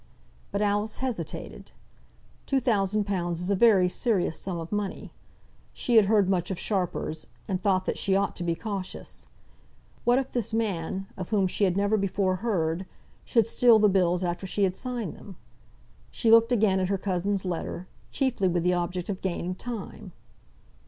But Alice hesitated. Two thousand pounds is a very serious sum of money. She had heard much of sharpers, and thought that she ought to be cautious. What if this man, of whom she had never before heard, should steal the bills after she had signed them? She looked again at her cousin's letter, chiefly with the object of gaining time.